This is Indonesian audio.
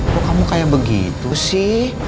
kok kamu kayak begitu sih